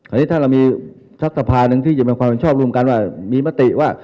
อันนี้ถ้าเรามีทรภาหนึ่งที่จะเป็นความชอบรวมกันว่ามีมติว่า